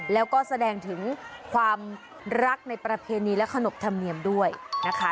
แล้วก็แสดงถึงความรักในประเพณีและขนบธรรมเนียมด้วยนะคะ